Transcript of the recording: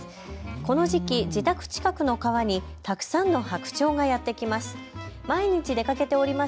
この時期、自宅近くの川にたくさんの白鳥がやって来ます。